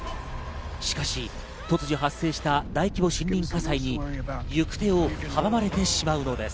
しかし、突如発生した、大規模森林火災に行く手を阻まれてしまうのです。